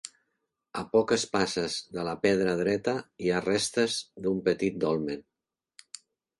A poques passes de la Pedra Dreta hi ha restes d'un petit dolmen.